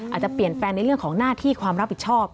อาจจะเปลี่ยนแปลงในเรื่องของหน้าที่ความรับผิดชอบ